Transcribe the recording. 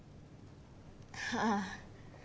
ああ。